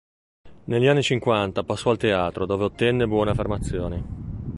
Negli anni cinquanta passò al teatro, dove ottenne buone affermazioni.